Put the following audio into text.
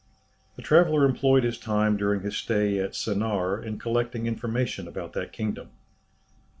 The traveller employed his time during his stay at Sennaar in collecting information about that kingdom.